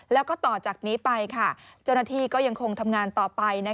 แล้วก็ต่อจากนี้ไปเจ้าหน้าที่ก็ยังคงทำงานต่อไป